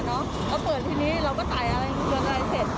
แล้วเปิดทีนี้เราก็ไต่อะไรเปิดอะไรเสร็จ